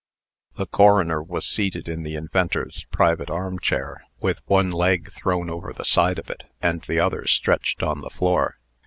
The coroner was seated in the inventor's private armchair, with one leg thrown over the side of it, and the other stretched on the floor.